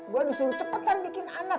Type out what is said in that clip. gue disuruh cepetan bikin anak